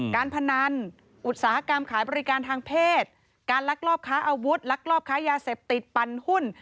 การพนันอุตสาหกรรมขายบริการทางเพศการลักลอบค้าอาวุธลักลอบค้ายาเสพติดปั่นหุ้น